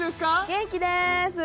元気です